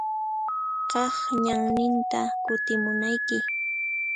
Kaq ñanninta kutimunayki.